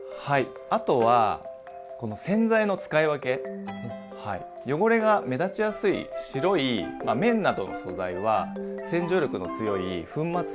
はいあとは洗剤の使い分け汚れが目立ちやすい白い綿などの素材は洗浄力の強い粉末洗剤。